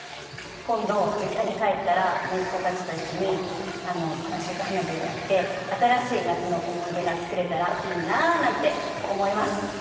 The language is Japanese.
今度、実家に帰ったらめいっ子たちと一緒にパラシュート花火をやって新しい夏の思い出が作れたらいいななんて思います。